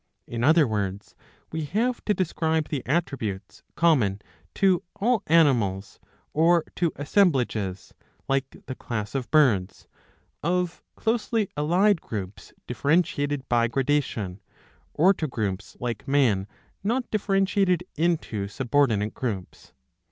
In other words, we have to describe the attributes common to all animals, or to assemblages, like the class of Birds, of closely allied groups differentiated by gradation, or to groups like Man not differentiated into subordinate groups.